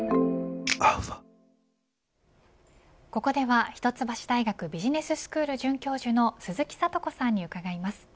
ここでは一橋大学ビジネススクール准教授の鈴木智子さんに伺います。